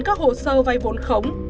các hồ sơ vai vốn khống